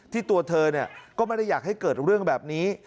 ตัวเธอก็ไม่ได้อยากให้เกิดเรื่องแบบนี้